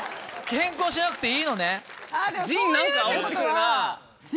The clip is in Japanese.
変更しなくていいのね？